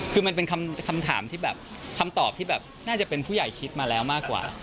คือมันเป็นคำตอบที่แบบน่าจะเป็นผู้ใหญ่คิดมาแล้วมากกว่า